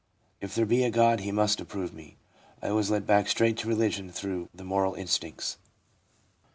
If there be a God, He must approve me." I was led back straight to religion through the moral instincts.'